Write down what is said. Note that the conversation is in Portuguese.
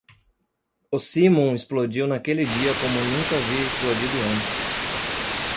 O simum explodiu naquele dia como nunca havia explodido antes.